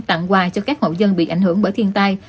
tặng quà cho các hậu dân bị ảnh hưởng bởi thiên tai